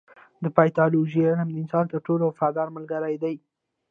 د پیتالوژي علم د انسان تر ټولو وفادار ملګری دی.